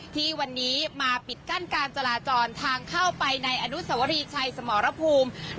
ที่วันนี้มาปิดกั้นการจราจรทางเข้าไปในอนุสวรีชัยสมรภูมิ